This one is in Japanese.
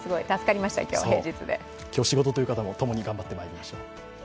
今日、仕事という方も共に頑張ってまいりましょう。